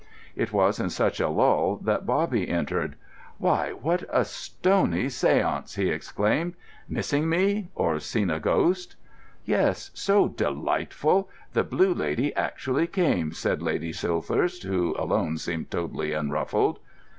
It was in such a lull that Bobby entered. "Why, what a stony séance!" he exclaimed. "Missing me? or seen a ghost?" "Yes—so delightful! The Blue Lady actually came," said Lady Silthirsk, who alone seemed totally unruffled.